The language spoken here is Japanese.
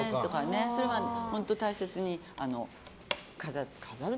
それは本当に大切に飾る。